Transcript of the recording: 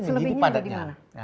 selebihnya ada di mana